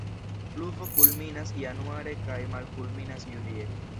Pluvo kulminas Januare kaj malkulminas Julie.